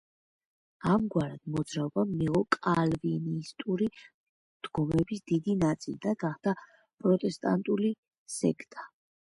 ამგვარად მოძრაობამ მიიღო კალვინისტური დოგმების დიდი ნაწილი და გახდა პროტესტანტული სექტა.